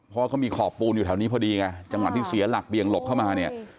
เพราะว่าเขามีขอบปูนอยู่แถวนี้พอดีไงจังหวะที่เสียหลักเบี่ยงหลบเข้ามาเนี่ย